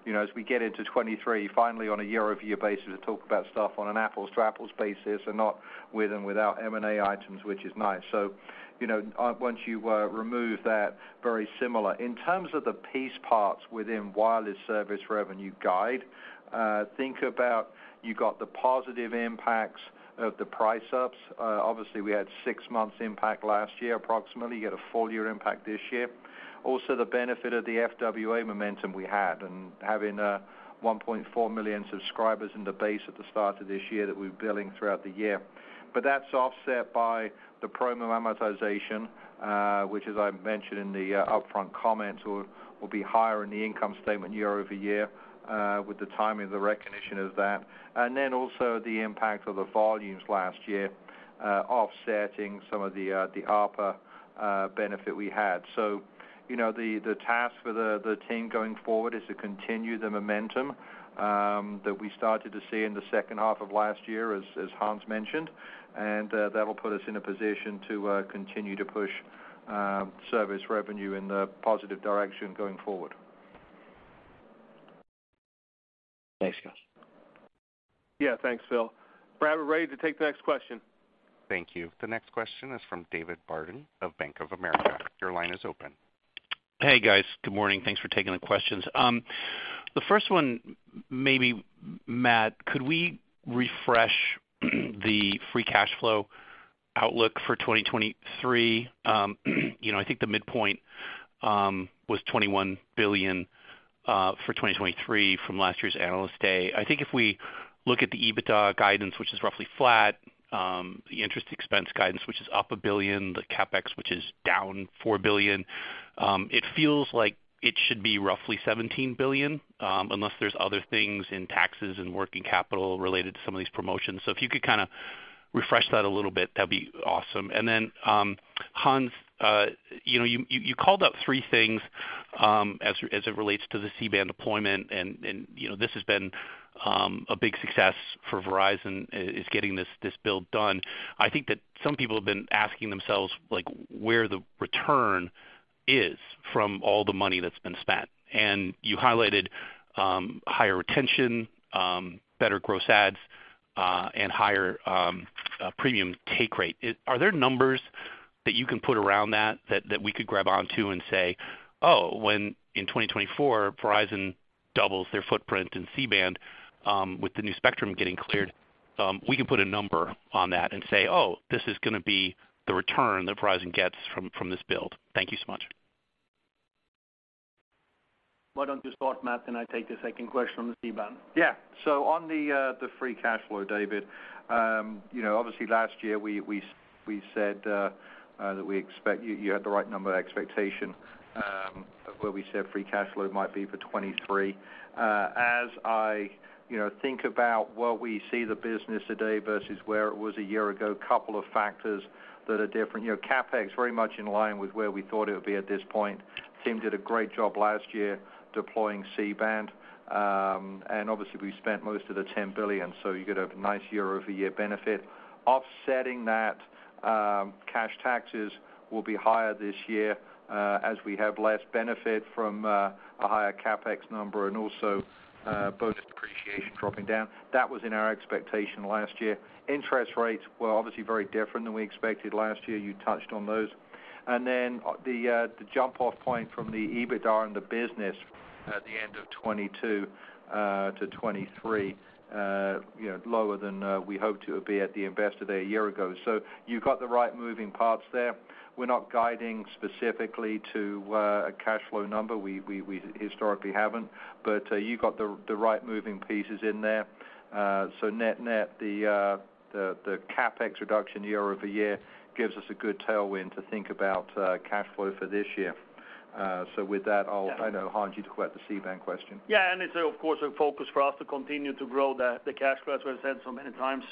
You know, as we get into 2023, finally on a year-over-year basis to talk about stuff on an apples-to-apples basis and not with and without M&A items, which is nice. You know, once you remove that, very similar. In terms of the piece parts within wireless service revenue guide, think about you got the positive. Of the price ups. Obviously, we had 6 months impact last year, approximately. You get a full year impact this year. Also the benefit of the FWA momentum we had and having 1.4 million subscribers in the base at the start of this year that we're billing throughout the year. That's offset by the promo amortization, which as I mentioned in the upfront comments, will be higher in the income statement year-over-year, with the timing of the recognition of that. Also the impact of the volumes last year, offsetting some of the ARPA benefit we had. You know, the task for the team going forward is to continue the momentum that we started to see in the H2 of last year, as Hans mentioned, and that'll put us in a position to continue to push service revenue in the positive direction going forward. Thanks, guys. Thanks, Phil. Brad, we're ready to take the next question. Thank you. The next question is from David Barden of Bank of America. Your line is open. Hey, guys. Good morning. Thanks for taking the questions. The first one, maybe Matt, could we refresh the free cash flow outlook for 2023? You know, I think the midpoint was $21 billion for 2023 from last year's Analyst Day. I think if we look at the EBITDA guidance, which is roughly flat, the interest expense guidance, which is up $1 billion, the CapEx, which is down $4 billion, it feels like it should be roughly $17 billion, unless there's other things in taxes and working capital related to some of these promotions. If you could kind of refresh that a little bit, that'd be awesome. Hans, you called out 3 things as it relates to the C-band deployment and this has been a big success for Verizon getting this build done. I think that some people have been asking themselves, like, where the return is from all the money that's been spent. You highlighted higher retention, better gross adds, and higher premium take rate. Are there numbers that you can put around that we could grab on to and say, "Oh, when in 2024 Verizon doubles their footprint in C-band with the new spectrum getting cleared," we can put a number on that and say, "Oh, this is gonna be the return that Verizon gets from this build." Thank you so much. Why don't you start, Matt, and I take the 2nd question on the C-band? On the free cash flow, David, you know, obviously last year we said that we expect you had the right number expectation of where we said free cash flow might be for 2023. As I, you know, think about where we see the business today versus where it was a year ago, couple of factors that are different. You know, CapEx very much in line with where we thought it would be at this point. Team did a great job last year deploying C-band. Obviously we spent most of the $10 billion, so you get a nice year-over-year benefit. Offsetting that, cash taxes will be higher this year, as we have less benefit from a higher CapEx number and also bonus depreciation dropping down. That was in our expectation last year. Interest rates were obviously very different than we expected last year. You touched on those. Then the jump off point from the EBITDA and the business at the end of 22 to 23, you know, lower than we hoped it would be at the Investor Day a year ago. You got the right moving parts there. We're not guiding specifically to a cash flow number. We historically haven't, but you got the right moving pieces in there. Net-net, the CapEx reduction year-over-year gives us a good tailwind to think about cash flow for this year. With that, I know, Hans, you talked about the C-band question. It's of course a focus for us to continue to grow the cash flow, as we've said so many times.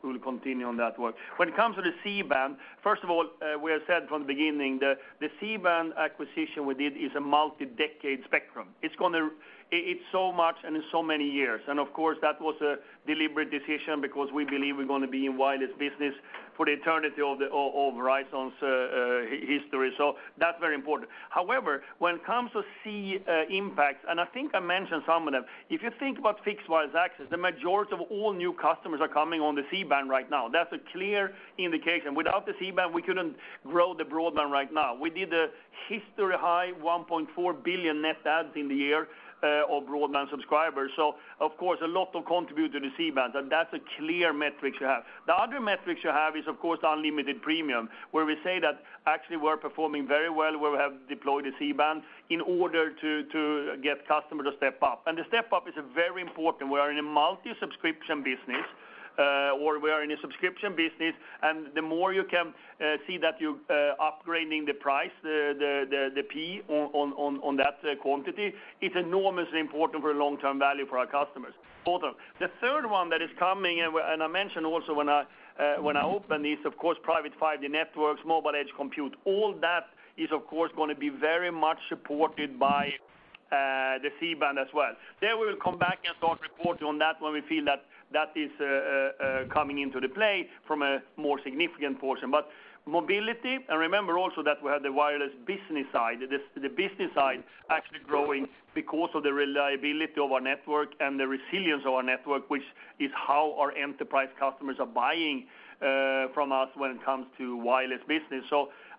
We will continue on that work. When it comes to the C-band, first of all, we have said from the beginning, the C-band acquisition we did is a multi-decade spectrum. It's so much and in so many years, of course, that was a deliberate decision because we believe we're gonna be in wireless business for the eternity of Verizon's history. That's very important. However, when it comes to C impacts, I think I mentioned some of them, if you think about Fixed Wireless Access, the majority of all new customers are coming on the C-band right now. That's a clear indication. Without the C-band, we couldn't grow the broadband right now. We did a history-high $1.4 billion net adds in the year of broadband subscribers. Of course, a lot of contribute to the C-band, and that's a clear metric to have. The other metrics you have is of course Unlimited Plus, where we say that actually we're performing very well, where we have deployed the C-band in order to get customers to step up. The step up is very important. We are in a multi-subscription business, or we are in a subscription business, the more you can see that you upgrading the price, the P on that quantity, it's enormously important for long-term value for our customers. Both of them. The third one that is coming, and I mentioned also when I opened, is of course Private 5G Networks, mobile edge computing. All that is, of course, gonna be very much supported by the C-band as well. There we'll come back and start reporting on that when we feel that that is coming into the play from a more significant portion. Mobility, and remember also that we have the wireless business side. The business side actually growing because of the reliability of our network and the resilience of our network, which is how our enterprise customers are buying from us when it comes to wireless business.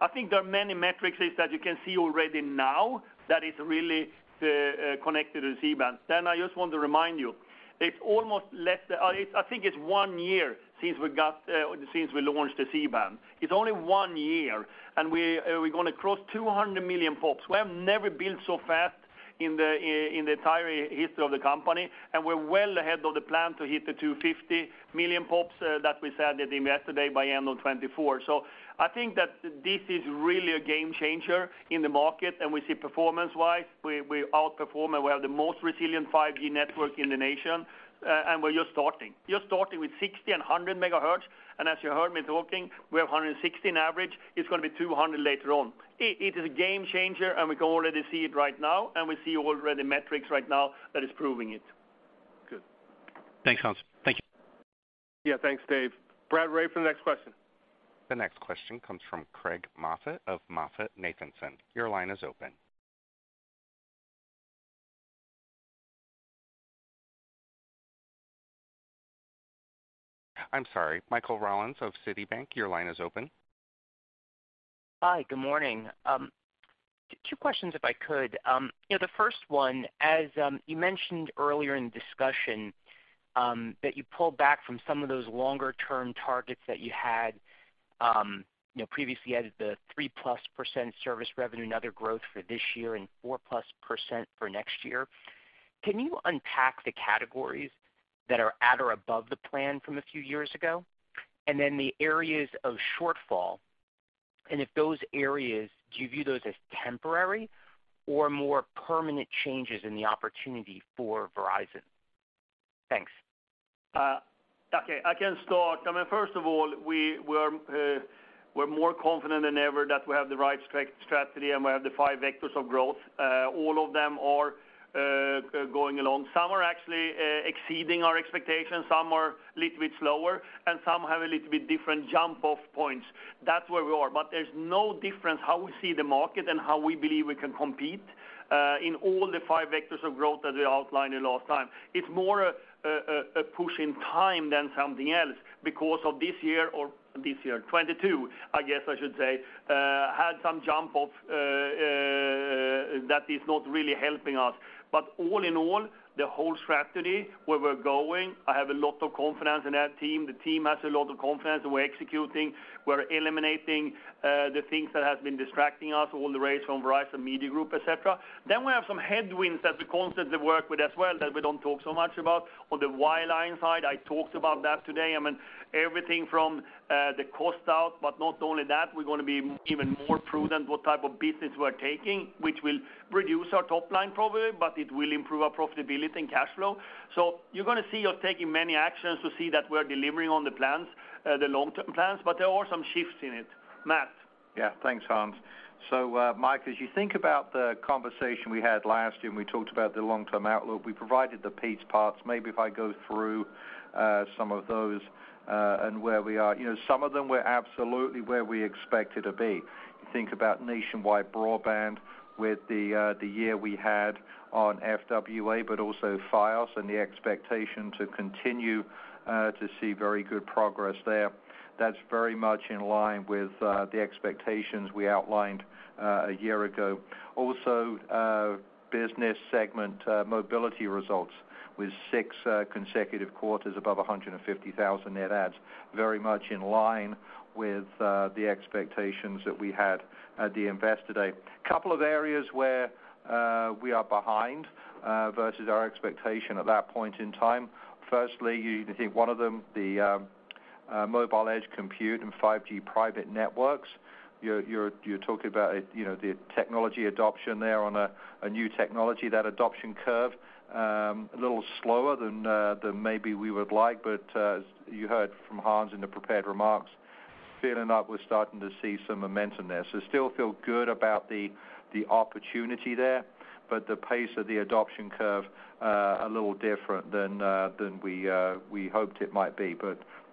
I think there are many metrics that you can see already now that is really connected to the C-band. I just want to remind you. I think it's 1 year since we got since we launched the C-band. It's only 1 year, and we're gonna cross 200 million POPs. We have never built so fast. In the entire history of the company, and we're well ahead of the plan to hit the 250 million POPs that we said at Investor Day by end of 2024. I think that this is really a game changer in the market, and we see performance-wise, we outperform and we have the most resilient 5G network in the nation. We're just starting. Just starting with 60 and 100 megahertz, and as you heard me talking, we have 160 in average. It's gonna be 200 later on. It is a game changer, and we can already see it right now, and we see already metrics right now that is proving it. Good. Thanks, Hans. Thank you. Yeah, thanks, Dave. Brad, ready for the next question. The next question comes from Craig Moffett of MoffettNathanson. Your line is open. I'm sorry, Michael Rollins of Citigroup, your line is open. Hi, good morning. 2 questions if I could. you know, the first one, as, you mentioned earlier in discussion, that you pulled back from some of those longer-term targets that you had, you know, previously as the 3+% service revenue and other growth for this year and 4+% for next year. Can you unpack the categories that are at or above the plan from a few years ago? And then the areas of shortfall, and if those areas, do you view those as temporary or more permanent changes in the opportunity for Verizon? Thanks. Okay, I can start. I mean, first of all, we're more confident than ever that we have the right strategy, and we have the 5 vectors of growth. All of them are going along. Some are actually exceeding our expectations, some are little bit slower, and some have a little bit different jump-off points. That's where we are. There's no difference how we see the market and how we believe we can compete in all the 5 vectors of growth that we outlined in the last time. It's more a push in time than something else because of this year, or this year, 2022, I guess I should say, had some jump that is not really helping us. All in all, the whole strategy, where we're going, I have a lot of confidence in our team. The team has a lot of confidence, we're executing, we're eliminating, the things that has been distracting us, all the race from Verizon Media Group, et cetera. We have some headwinds that we constantly work with as well, that we don't talk so much about. On the wireline side, I talked about that today. I mean, everything from, the cost out, but not only that, we're gonna be even more prudent what type of business we're taking, which will reduce our top line probably, but it will improve our profitability and cash flow. You're gonna see us taking many actions to see that we're delivering on the plans, the long-term plans, but there are some shifts in it. Matt? Yeah, thanks, Hans. Mike, as you think about the conversation we had last year when we talked about the long-term outlook, we provided the piece parts. Maybe if I go through some of those and where we are. You know, some of them were absolutely where we expected to be. Think about nationwide broadband with the year we had on FWA, but also Fios and the expectation to continue to see very good progress there. That's very much in line with the expectations we outlined a year ago. Also, business segment mobility results with 6 consecutive quarters above 150,000 net adds. Very much in line with the expectations that we had at the Investor Day. Couple of areas where we are behind versus our expectation at that point in time. Firstly, you think 1 of them, the mobile edge computing and 5G private networks. You're talking about, you know, the technology adoption there on a new technology. That adoption curve a little slower than maybe we would like. You heard from Hans in the prepared remarks, feeling up, we're starting to see some momentum there. Still feel good about the opportunity there, the pace of the adoption curve a little different than we hoped it might be.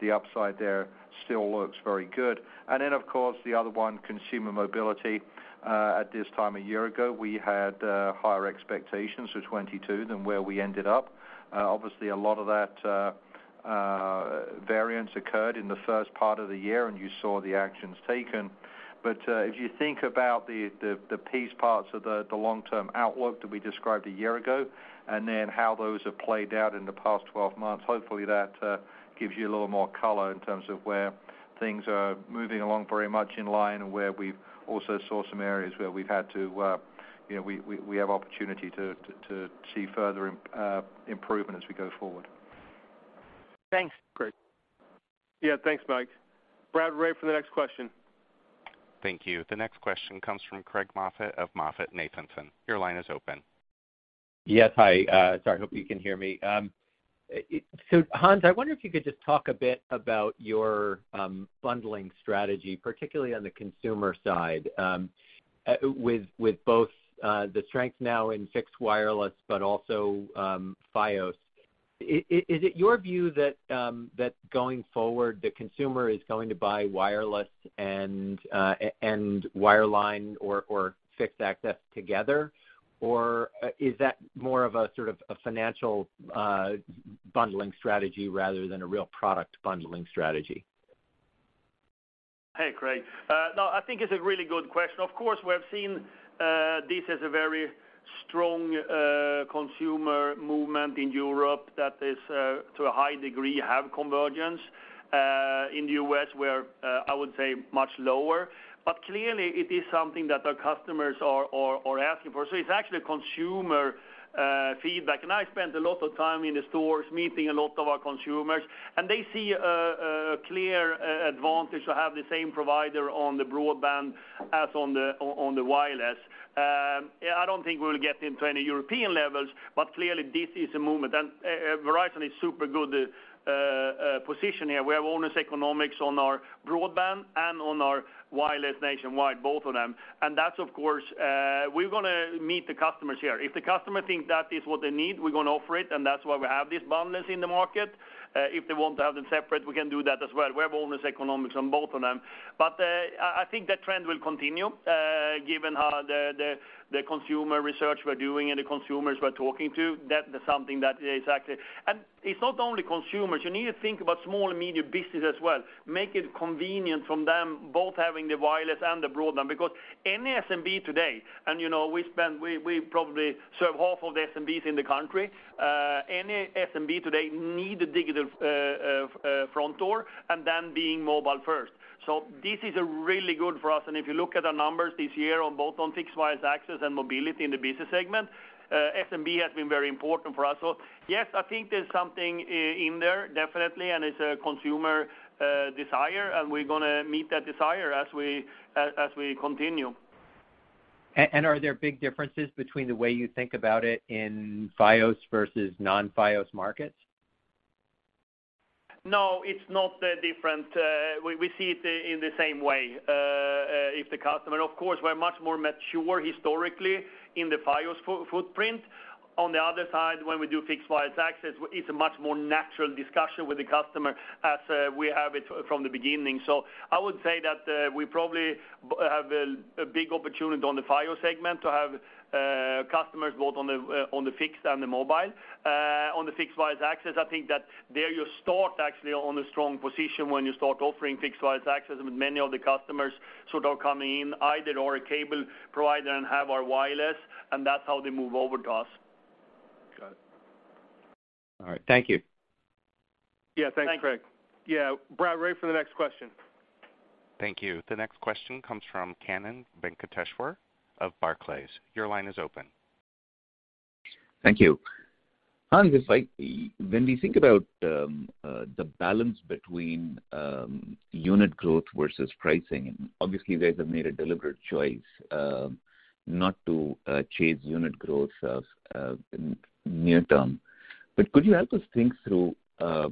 The upside there still looks very good. Then of course, the other 1, consumer mobility. At this time a year ago, we had higher expectations for 2022 than where we ended up. Uh, obviously a lot of that, uh, variance occurred in the first part of the year, and you saw the actions taken. But, uh, if you think about the, the piece parts of the long-term outlook that we described a year ago, and then how those have played out in the past 12 months, hopefully that, uh, gives you a little more color in terms of where things are moving along very much in line and where we've also saw some areas where we've had to, uh, you know, we, we have opportunity to, to see further im-uh, improvement as we go forward. Thanks. Great. Yeah. Thanks, Mike. Brad, we're ready for the next question. Thank you. The next question comes from Craig Moffett of MoffettNathanson. Your line is open. Yes. Hi. Sorry, hope you can hear me. Hans, I wonder if you could just talk a bit about your bundling strategy, particularly on the consumer side. With both the strength now in fixed wireless, but also Fios, is it your view that going forward, the consumer is going to buy wireless and wireline or fixed access together? Is that more of a sort of a financial bundling strategy rather than a real product bundling strategy? Hey, Craig. No, I think it's a really good question. Of course, we have seen this as a very strong-Consumer movement in Europe that is to a high degree have convergence in the U.S. we're, I would say much lower. Clearly it is something that our customers are asking for. It's actually consumer feedback. I spent a lot of time in the stores meeting a lot of our consumers, and they see a clear advantage to have the same provider on the broadband as on the wireless. Yeah, I don't think we'll get into any European levels, but clearly this is a movement. Verizon is super good position here. We have owner's economics on our broadband and on our wireless nationwide, both of them. That's of course, we're gonna meet the customers here. If the customer think that is what they need, we're gonna offer it, and that's why we have this boundless in the market. If they want to have them separate, we can do that as well. We have owner's economics on both of them. I think that trend will continue, given how the consumer research we're doing and the consumers we're talking to, that something that is actually, It's not only consumers. You need to think about small and medium business as well. Make it convenient from them both having the wireless and the broadband. Any SMB today, you know, we probably serve half of the SMBs in the country, any SMB today need a digital front door, being mobile first. This is really good for us. If you look at our numbers this year on both on Fixed Wireless Access and mobility in the business segment, SMB has been very important for us. Yes, I think there's something in there, definitely, it's a consumer desire, we're gonna meet that desire as we continue. Are there big differences between the way you think about it in Fios versus non-Fios markets? No, it's not that different. We see it in the same way. Of course, we're much more mature historically in the Fios footprint. On the other side, when we do fixed wireless access, it's a much more natural discussion with the customer as we have it from the beginning. I would say that we probably have a big opportunity on the Fios segment to have customers both on the fixed and the mobile. On the fixed wireless access, I think that there you start actually on a strong position when you start offering fixed wireless access. Many of the customers sort of come in either or a cable provider and have our wireless, and that's how they move over to us. Got it. All right. Thank you. Yeah. Thanks, Craig. Thank- Yeah. Brad, ready for the next question. Thank you. The next question comes from Kannan Venkateshwar of Barclays. Your line is open. Thank you. Hans, it's like, when we think about the balance between unit growth versus pricing, obviously you guys have made a deliberate choice not to chase unit growth near term. Could you help us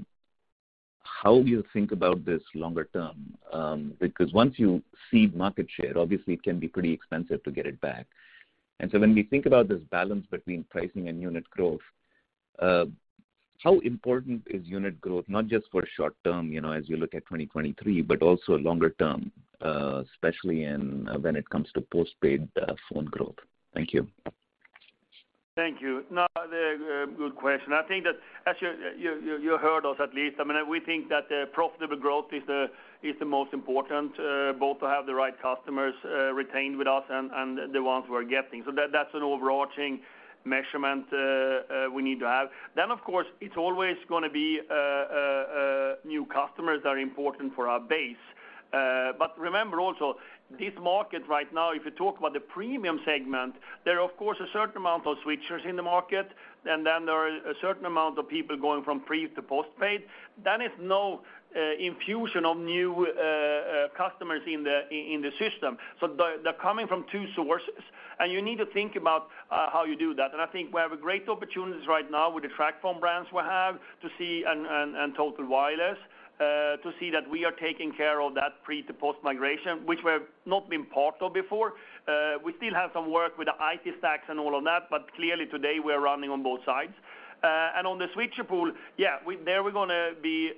think through how you think about this longer term? Because once you cede market share, obviously it can be pretty expensive to get it back. When we think about this balance between pricing and unit growth, how important is unit growth, not just for short term, you know, as you look at 2023, but also longer term, especially in when it comes to postpaid phone growth? Thank you. Thank you. No, they're a good question. I think that as you heard us at least, I mean, we think that the profitable growth is the most important, both to have the right customers retained with us and the ones we're getting. That's an overarching measurement we need to have. Of course, it's always gonna be new customers are important for our base. Remember also this market right now, if you talk about the premium segment, there are of course a certain amount of switchers in the market, and then there are a certain amount of people going from pre to postpaid. That is no infusion of new customers in the system. They're coming from 2 sources, and you need to think about how you do that. I think we have a great opportunities right now with the TracFone brands we have to see, and Total Wireless, to see that we are taking care of that pre to post migration, which we have not been part of before. We still have some work with the IT stacks and all of that, but clearly today we are running on both sides. On the switcher pool, yeah, we, there we're gonna be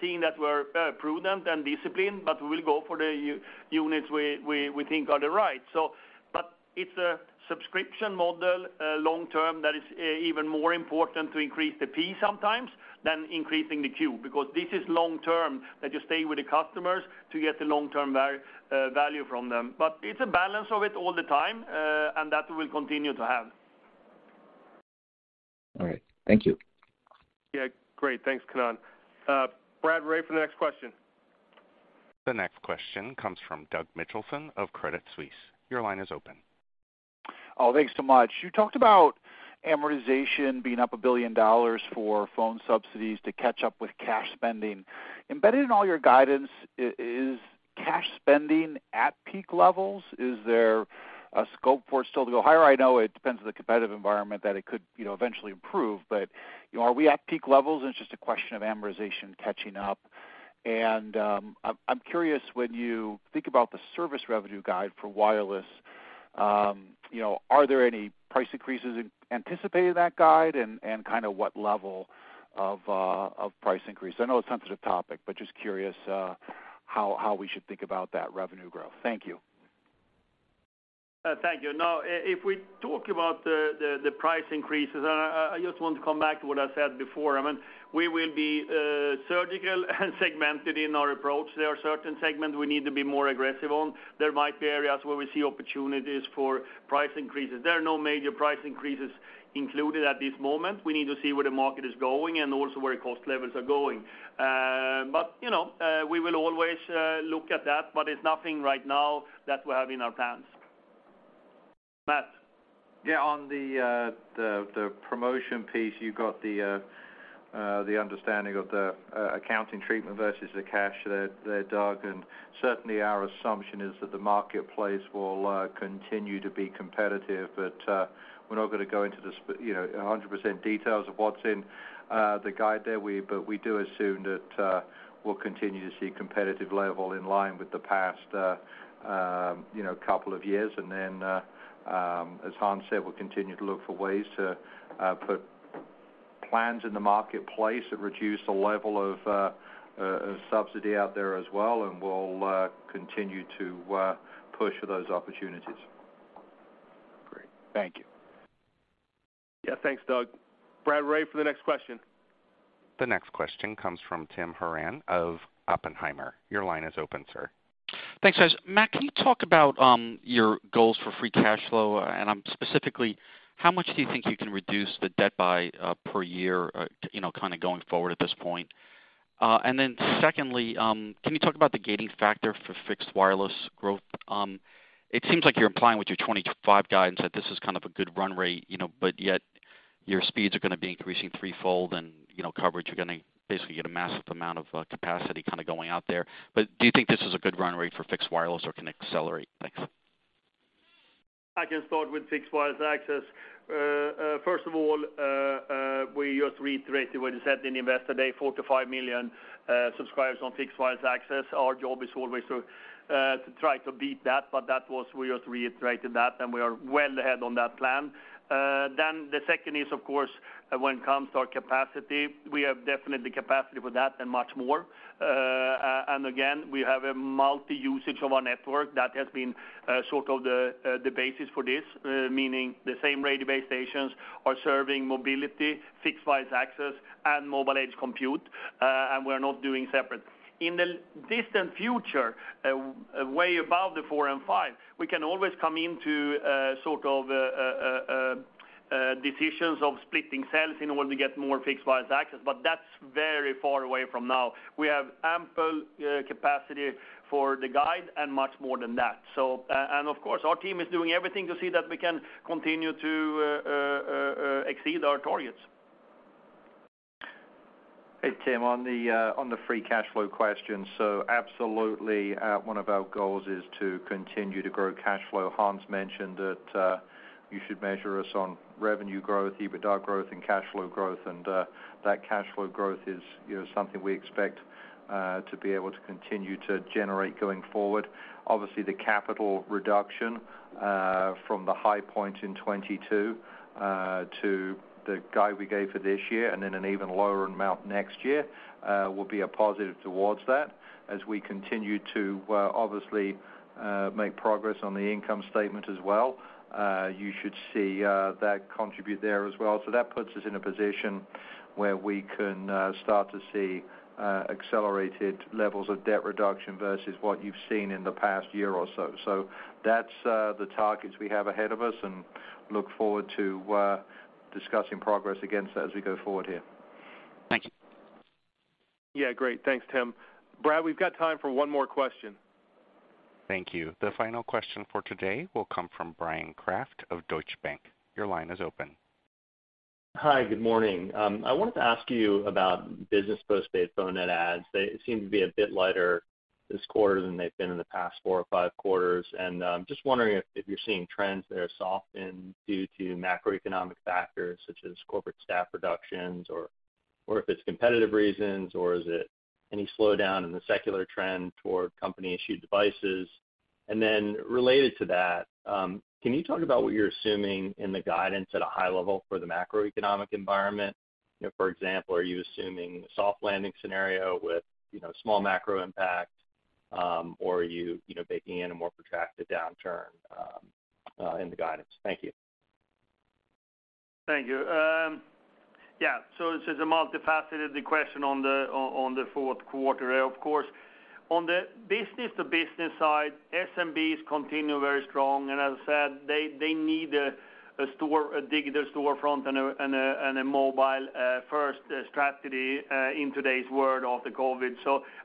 seeing that we're prudent and disciplined, but we'll go for the units we think are the right. It's a subscription model, long term that is even more important to increase the P sometimes than increasing the Q, because this is long term that you stay with the customers to get the long-term value from them. It's a balance of it all the time, and that we'll continue to have. All right. Thank you. Yeah. Great. Thanks, Kannan. Brad, ready for the next question. The next question comes from Douglas Mitchelson of Crédit Suisse. Your line is open. Oh, thanks so much. You talked about amortization being up $1 billion for phone subsidies to catch up with cash spending. Embedded in all your guidance, is cash spending at peak levels? Is there a scope for it still to go higher? I know it depends on the competitive environment that it could, you know, eventually improve, but, you know, are we at peak levels, and it's just a question of amortization catching up? I'm curious, when you think about the service revenue guide for wireless, you know, are there any price increases anticipated in that guide? Kinda what level of price increase? I know it's a sensitive topic, but just curious, how we should think about that revenue growth. Thank you. Thank you. If we talk about the price increases, I just want to come back to what I said before. I mean, we will be surgical and segmented in our approach. There are certain segments we need to be more aggressive on. There might be areas where we see opportunities for price increases. There are no major price increases included at this moment. We need to see where the market is going and also where cost levels are going. You know, we will always look at that, but it's nothing right now that we have in our plans. Matt? Yeah. On the promotion piece, you got the understanding of the accounting treatment versus the cash there, Doug, certainly our assumption is that the marketplace will continue to be competitive. We're not gonna go into the you know, 100% details of what's in the guide there. We do assume that we'll continue to see competitive level in line with the past, you know, 2 years. As Hans said, we'll continue to look for ways to put plans in the marketplace that reduce the level of subsidy out there as well, we'll continue to push those opportunities. Great. Thank you. Yeah, thanks, Doug. Brad, ready for the next question. The next question comes from Tim Horan of Oppenheimer. Your line is open, sir. Thanks, guys. Matt, can you talk about your goals for free cash flow? Specifically, how much do you think you can reduce the debt by per year, you know, kinda going forward at this point? Secondly, can you talk about the gating factor for fixed wireless growth? It seems like you're implying with your 25 guidance that this is kind of a good run rate, you know, but yet your speeds are gonna be increasing threefold and, you know, coverage, you're gonna basically get a massive amount of capacity kinda going out there. Do you think this is a good run rate for fixed wireless or can it accelerate? Thanks. I can start with Fixed Wireless Access. First of all, we just reiterated what is said in Investor Day, 4 million to 5 million subscribers on Fixed Wireless Access. Our job is always to try to beat that, but that was, we just reiterated that, and we are well ahead on that plan. The 2nd is, of course, when it comes to our capacity, we have definitely capacity for that and much more. Again, we have a multi usage of our network that has been sort of the basis for this, meaning the same radio base stations are serving mobility, Fixed Wireless Access, and mobile edge computing, and we're not doing separate. In the distant future, way above the 4 and 5, we can always come into sort of decisions of splitting cells in order to get more Fixed Wireless Access, but that's very far away from now. We have ample capacity for the guide and much more than that. Of course, our team is doing everything to see that we can continue to exceed our targets. Hey, Tim, on the, on the free cash flow question. Absolutely, 1 of our goals is to continue to grow cash flow. Hans mentioned that, you should measure us on revenue growth, EBITDA growth, and cash flow growth. That cash flow growth is, you know, something we expect to be able to continue to generate going forward. Obviously, the capital reduction from the high point in 2022 to the guide we gave for this year and then an even lower amount next year will be a positive towards that. As we continue to, obviously, make progress on the income statement as well, you should see that contribute there as well. That puts us in a position where we can start to see accelerated levels of debt reduction versus what you've seen in the past year or so. That's the targets we have ahead of us, and look forward to discussing progress against that as we go forward here. Thank you. Yeah. Great. Thanks, Tim. Brad, we've got time for 1 more question. Thank you. The final question for today will come from Bryan Kraft of Deutsche Bank. Your line is open. Hi. Good morning. I wanted to ask you about business postpaid phone net adds. They seem to be a bit lighter this quarter than they've been in the past 4 or 5 quarters. Just wondering if you're seeing trends that are soft and due to macroeconomic factors such as corporate staff reductions, or if it's competitive reasons, or is it any slowdown in the secular trend toward company-issued devices? Related to that, can you talk about what you're assuming in the guidance at a high level for the macroeconomic environment? You know, for example, are you assuming a soft landing scenario with, you know, small macro impact, or are you know, baking in a more protracted downturn in the guidance? Thank you. Thank you. This is a multifaceted question on the Q4. Of course, on the business-to-business side, SMBs continue very strong. As I said, they need a store, a digital storefront and a mobile first strategy in today's world after COVID.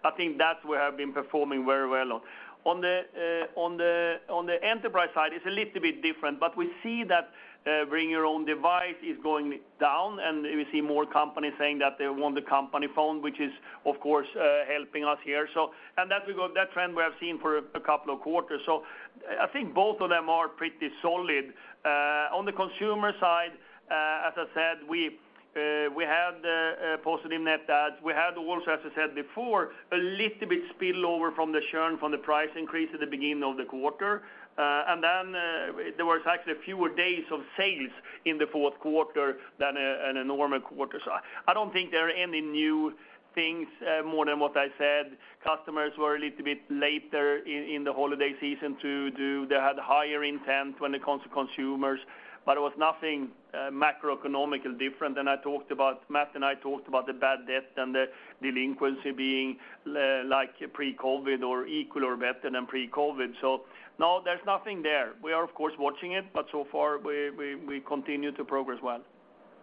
I think that's where I've been performing very well on. On the enterprise side, it's a little bit different. We see that Bring Your Own Device is going down, and we see more companies saying that they want the company phone, which is of course, helping us here. That trend we have seen for a couple of quarters. I think both of them are pretty solid. On the consumer side, as I said, we had a positive net adds. We had also, as I said before, a little bit spillover from the churn from the price increase at the beginning of the quarter. Then, there was actually fewer days of sales in the Q4 than a normal quarter. I don't think there are any new things, more than what I said. Customers were a little bit later in the holiday season to do. They had higher intent when it comes to consumers, but it was nothing, macroeconomic and different than I talked about. Matt and I talked about the bad debt and the delinquency being like pre-COVID or equal or better than pre-COVID. No, there's nothing there. We are of course watching it, but so far, we continue to progress well.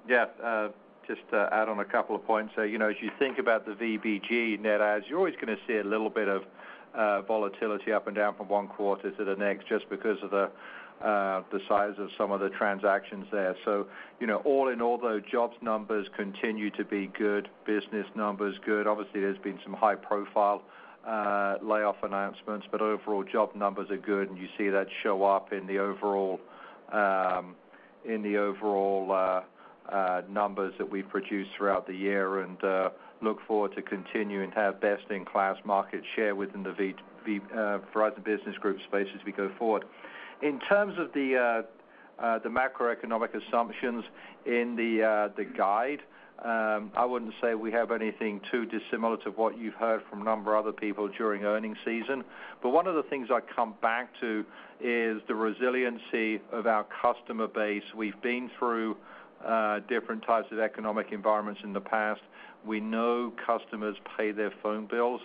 Just to add on a couple of points. You know, as you think about the VBG net adds, you're always gonna see a little bit of volatility up and down from 1 quarter to the next, just because of the size of some of the transactions there. You know, all in all, the jobs numbers continue to be good, business numbers good. Obviously, there's been some high-profile layoff announcements, but overall job numbers are good, and you see that show up in the overall in the overall numbers that we produce throughout the year. Look forward to continue and have best-in-class market share within the Verizon Business Group space as we go forward. In terms of the macroeconomic assumptions in the guide, I wouldn't say we have anything too dissimilar to what you've heard from a number of other people during earning season. 1 of the things I come back to is the resiliency of our customer base. We've been through different types of economic environments in the past. We know customers pay their phone bills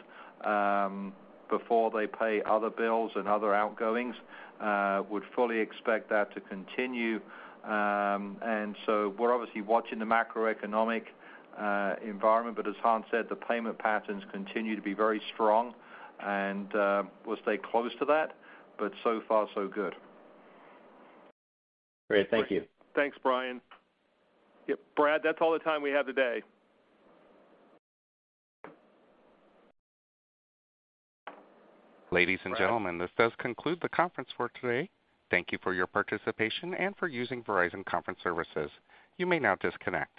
before they pay other bills and other outgoings. Would fully expect that to continue. So we're obviously watching the macroeconomic environment, but as Hans said, the payment patterns continue to be very strong, and we'll stay close to that, but so far so good. Great. Thank you. Thanks, Bryan. Yep, Brad, that's all the time we have today. Ladies and gentlemen, this does conclude the conference for today. Thank you for your participation and for using Verizon Conference Services. You may now disconnect.